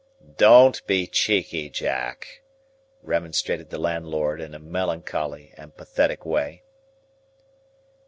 "Don't be cheeky, Jack," remonstrated the landlord, in a melancholy and pathetic way.